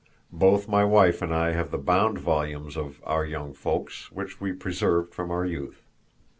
Both my wife and I have the bound volumes of Our Young Folks which we preserved from our youth.